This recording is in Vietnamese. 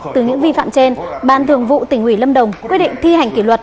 từ những vi phạm trên ban thường vụ tỉnh ủy lâm đồng quyết định thi hành kỷ luật